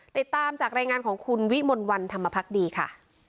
ติดตามจากรายงานของคุณวิมลวันธรรมพักดีค่ะ